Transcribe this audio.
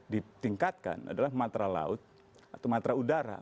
ditingkatkan adalah matra laut atau matra udara